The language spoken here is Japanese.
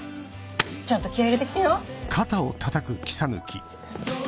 ちゃんと気合入れて来てよ！